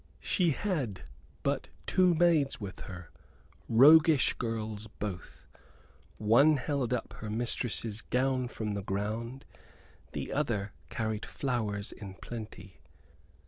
She had but two maids with her, roguish girls both. One held up her mistress's gown from the ground; the other carried flowers in plenty.